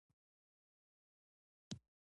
وخت ناځوانه په تېزۍ په اوښتون و